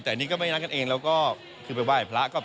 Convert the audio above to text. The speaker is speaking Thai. แต่นี่ก็ไม่นักกันเองแล้วก็คือไปว่าไอ้พระก็ปกติ